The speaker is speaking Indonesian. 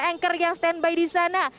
anchor yang stand by di sana